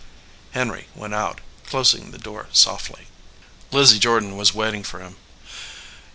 Henry went out, closing the door softly. Lizzie Jordan was waiting for him.